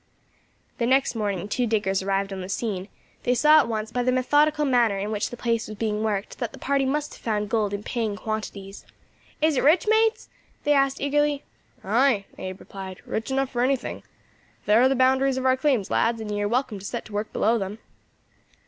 The next morning two diggers arrived on the scene; they saw at once by the methodical manner in which the place was being worked that the party must have found gold in paying quantities. "Is it rich, mates?" they asked eagerly. "Ay," Abe replied, "rich enough for anything. There are the boundaries of our claims, lads, and ye are welcome to set to work below them."